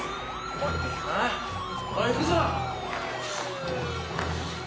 おい、行くぞ！